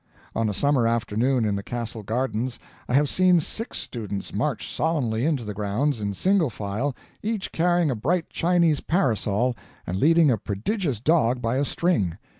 On a summer afternoon in the Castle gardens, I have seen six students march solemnly into the grounds, in single file, each carrying a bright Chinese parasol and leading a prodigious dog by a string.